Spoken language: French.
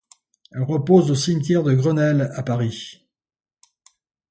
Elle repose au cimetière de Grenelle à Paris.